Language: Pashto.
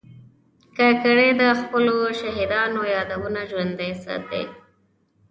کاکړي د خپلو شهیدانو یادونه ژوندي ساتي.